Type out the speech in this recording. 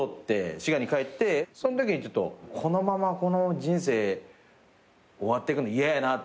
滋賀に帰ってそんときにちょっとこのままこの人生終わっていくの嫌やなって。